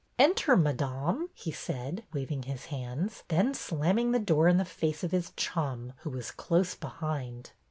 '' Enter, Madame,'' he said, waving his hand, then slamming the door in the face of his chum, who was close behind.